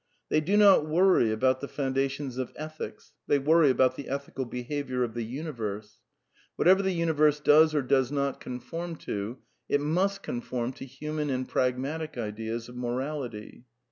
They do not worry about the foundations of Ethics ; they worry about ^— Ae ethical behaviour of the Universe. Whatever the Uni verse does or does not conform to, it must conform to human and pragmatic ideas of morality.